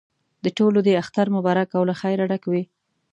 د ټولو دې اختر مبارک او له خیره ډک وي.